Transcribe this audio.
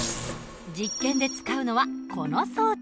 実験で使うのはこの装置。